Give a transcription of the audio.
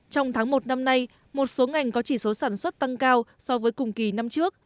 trong tháng một năm nay một số ngành có chỉ số sản xuất tăng cao so với cùng kỳ năm trước